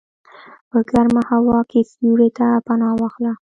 په ګرمه هوا کې سیوري ته پناه واخله.